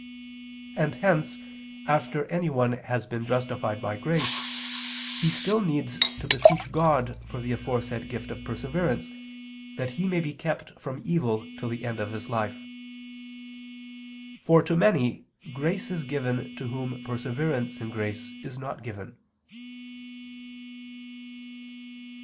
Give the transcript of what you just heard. And hence after anyone has been justified by grace, he still needs to beseech God for the aforesaid gift of perseverance, that he may be kept from evil till the end of his life. For to many grace is given to whom perseverance in grace is not given.